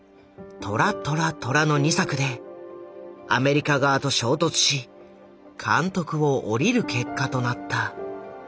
「トラ・トラ・トラ！」の２作でアメリカ側と衝突し監督を降りる結果となった。